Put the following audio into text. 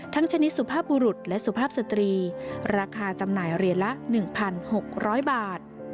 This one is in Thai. ชนิดสุภาพบุรุษและสุภาพสตรีราคาจำหน่ายเหรียญละ๑๖๐๐บาท